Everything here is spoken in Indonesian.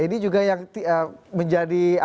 ini juga yang menjadi